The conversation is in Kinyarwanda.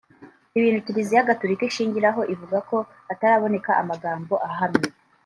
ibintu kiliziya gaturika ishingiraho ivuga ko hataraboneka amagambo ahamye